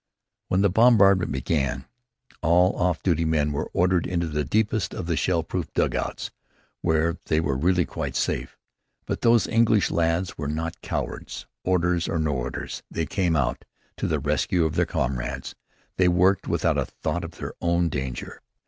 When the bombardment began, all off duty men were ordered into the deepest of the shell proof dugouts, where they were really quite safe. But those English lads were not cowards. Orders or no orders, they came out to the rescue of their comrades. They worked without a thought of their own danger.